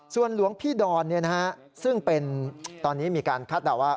ส่วนหลวงพี่ดอนซึ่งเป็นตอนนี้มีการคาดเดาว่า